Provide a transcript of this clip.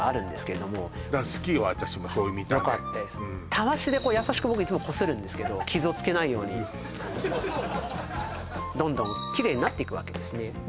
タワシで優しく僕いつもこするんですけど傷をつけないようにどんどんキレイになっていくわけですねで